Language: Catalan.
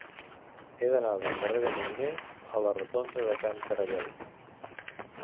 He d'anar del carrer de Munné a la rotonda de Can Caralleu.